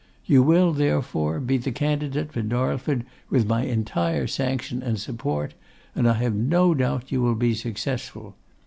You will, therefore, be the candidate for Darlford with my entire sanction and support, and I have no doubt you will be successful.